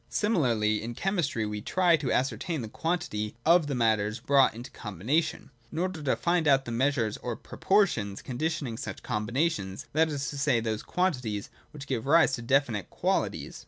Similarly, in chemistry, we try to ascertain the quantity of the matters brought into combination, in order to find out the measures or pro portions conditioning such combinations, that is to say, those quantities which give rise to definite qualities.